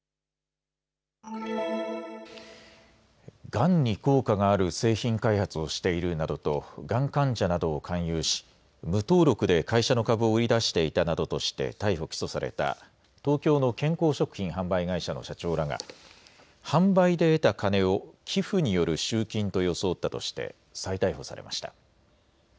がんに効果がある製品開発をしているなどとがん患者などを勧誘し無登録で会社の株を売り出していたなどとして逮捕・起訴された東京の健康食品販売会社の社長らが販売で得た金を寄付による集金と装ったとして再逮捕されました。